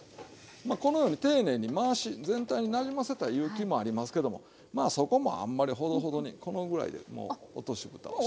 このように丁寧に回し全体になじませたいいう気もありますけどもまあそこもあんまりほどほどにこのぐらいでもう落としぶたをして。